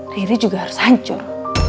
riri juga harus hancur